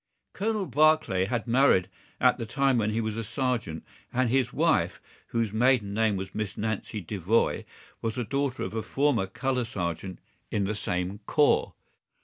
"Colonel Barclay had married at the time when he was a sergeant, and his wife, whose maiden name was Miss Nancy Devoy, was the daughter of a former colour sergeant in the same corps.